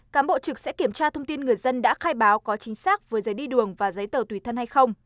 cán bộ trực sẽ kiểm tra thông tin người dân đã khai báo có chính xác với giấy đi đường và giấy tờ tùy thân hay không